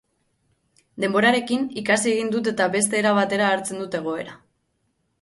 Denborarekin, ikasi egin dut eta beste era batera hartzen dut egoera.